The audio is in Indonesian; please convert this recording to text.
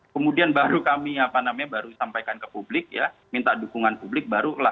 kemudian baru kami apa namanya baru sampaikan ke publik ya minta dukungan publik baru